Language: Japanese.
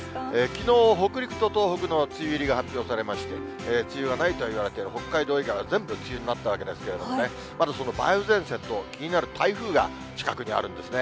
きのう、北陸と東北の梅雨入りが発表されまして、梅雨はないといわれている北海道以外は全部、梅雨になったわけですけどね、まずその梅雨前線と、気になる台風が近くにあるんですね。